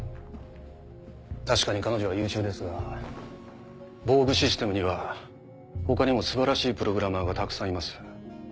確かに彼女は優秀ですがボーグシステムには他にも素晴らしいプログラマーがたくさんいます。